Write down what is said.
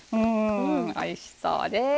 おいしそうです。